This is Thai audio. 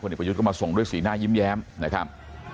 เอกประยุทธ์ก็มาส่งด้วยสีหน้ายิ้มแย้มนะครับ